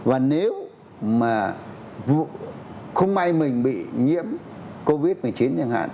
và nếu mà không may mình bị nhiễm covid một mươi chín chẳng hạn